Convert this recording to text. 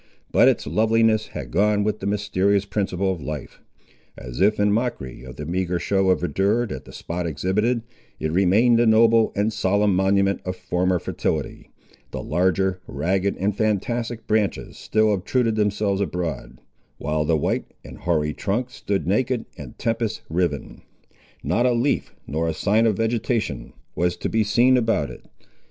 But its loveliness had gone with the mysterious principle of life. As if in mockery of the meagre show of verdure that the spot exhibited, it remained a noble and solemn monument of former fertility. The larger, ragged, and fantastic branches still obtruded themselves abroad, while the white and hoary trunk stood naked and tempest riven. Not a leaf, nor a sign of vegetation, was to be seen about it.